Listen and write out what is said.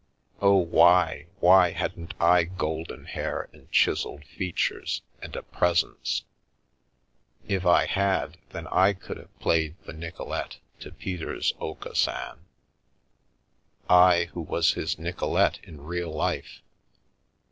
Oh, why, why hadn't I golden hair and chiselled features and a " presence "? If I had, then I could have played the Nicolete to Peter's Aucassin, I, who was his Nicolete in real life.